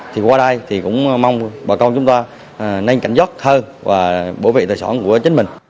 thì qua đây thì cũng mong bà con chúng ta nhanh cảnh gió thơ và bổ vệ tài xóa của chính mình